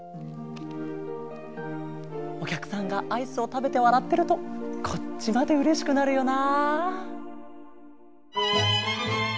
おきゃくさんがアイスをたべてわらってるとこっちまでうれしくなるよな。